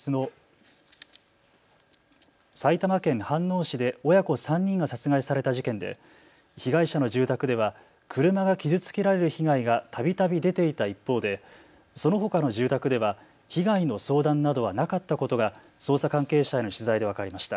埼玉県飯能市で親子３人が殺害された事件で被害者の住宅では車が傷つけられる被害がたびたび出ていた一方でそのほかの住宅では被害の相談などはなかったことが捜査関係者への取材で分かりました。